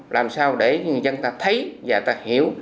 làm sao để dân ta thấy và ta hiểu